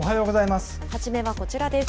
初めはこちらです。